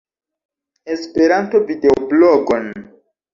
Esperanto-videoblogon